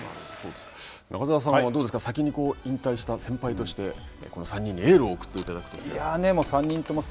中澤さんはどうですか先に引退した先輩としてこの３人にエールを送っていただくとしたら。